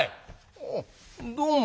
おっどうも。